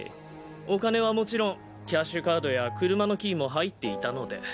お金はもちろんキャッシュカードや車のキーも入っていたので。